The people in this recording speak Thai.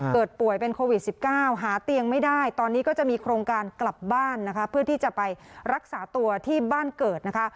ป่วยเป็นโควิด๑๙หาเตียงไม่ได้ตอนนี้ก็จะมีโครงการกลับบ้านนะคะเพื่อที่จะไปรักษาตัวที่บ้านเกิดนะคะ